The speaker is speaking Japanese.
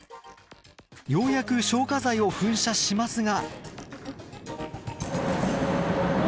ようやく消火剤を噴射しますが。